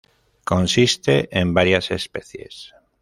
Consiste en varias especies.